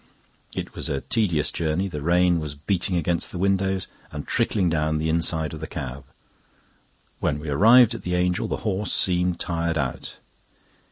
It was a tedious journey; the rain was beating against the windows and trickling down the inside of the cab. When we arrived at "The Angel" the horse seemed tired out.